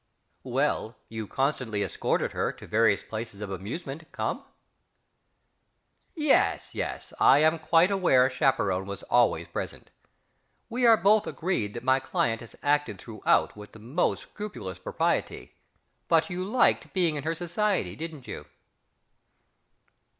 Well, you constantly escorted her to various places of amusement, come?... Yes, yes; I am quite aware a chaperon was always present. We are both agreed that my client has acted throughout with the most scrupulous propriety but you liked being in her society, didn't you?...